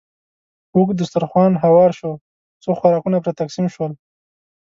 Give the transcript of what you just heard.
اوږد دسترخوان هوار شو، څو خوراکونه پرې تقسیم شول.